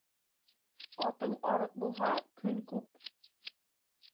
Атың арыҡ булһа, көн күп.